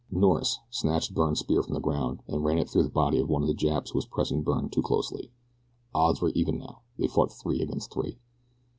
Norris snatched Byrne's spear from the ground, and ran it through the body of one of the Japs who was pressing Byrne too closely. Odds were even now they fought three against three.